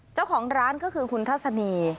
เจ้าของร้านก็คือคุณทัศนี